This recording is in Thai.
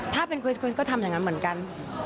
ถ้าเป็นคริสคริสก็ทำอย่างนั้นเหมือนกัน